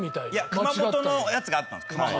熊本のやつがあったんです熊本。